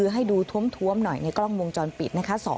ให้ดูท้วมหน่อยในกล้องวงจรปิดนะคะ